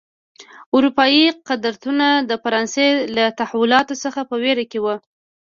اروپايي قدرتونه د فرانسې له تحولاتو څخه په وېره کې و.